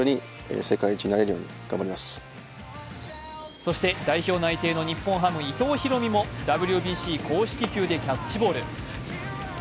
そして、代表内定の日本ハム・伊藤大海もＷＢＣ公式球でキャッチボール。